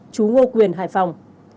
chú ngô quyền hải phòng